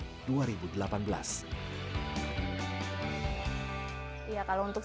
kalau untuk sapi saya akan berpikir keuntungan